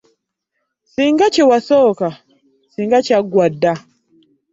Ssinga kye wasooka ssinga kyaggwa dda.